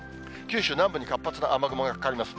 九州南部に活発な雨雲がかかります。